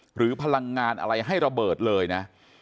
พลังงานอะไรให้ระเบิดเลยนะ